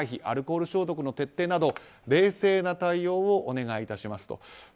アルコール消毒の徹底など冷静な対応をお願い致しますと。